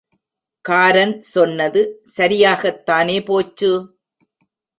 காரன் சொன்னது சரியாகத்தானே போச்சு!